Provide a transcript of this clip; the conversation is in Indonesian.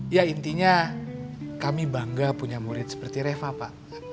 ya intinya kami bangga punya murid seperti reva pak